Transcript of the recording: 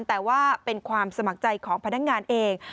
แต่ว่าเป็นความสมัครใจของพนักงานเอง